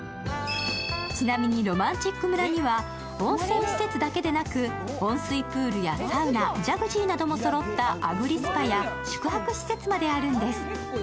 ちなみにろまんちっく村には温泉施設だけでなく温水プールやサウナ、ジャグジーなどもそろったアグリスパや宿泊施設まであるんです。